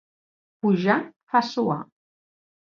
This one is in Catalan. Pujar fa suar.